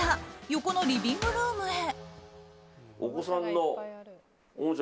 横のリビングルームへ。